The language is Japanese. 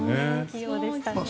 器用でしたね。